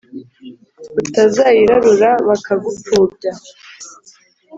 utaziyarura bakagupfubya,